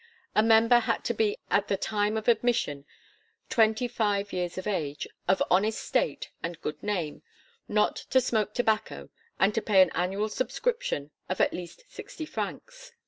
A member had to be at the time of admission twenty five years of age, of honest state and good name, not to smoke tobacco, and to pay an annual subscription of at least sixty francs.